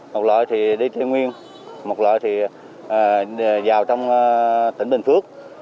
một loại thì đi tây nguyên một loại thì vào trong tỉnh bình phước